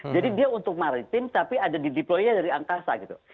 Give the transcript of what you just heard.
jadi dia untuk maritim tapi ada di deploy nya dari angkasa gitu